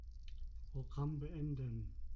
Programm beenden.